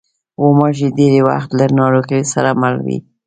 غوماشې ډېری وخت له ناروغیو سره مله وي.